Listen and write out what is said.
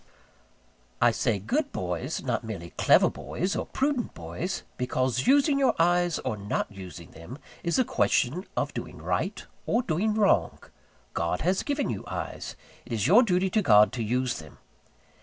I say "good boys;" not merely clever boys, or prudent boys: because using your eyes, or not using them, is a question of doing Right or doing Wrong. God has given you eyes; it is your duty to God to use them.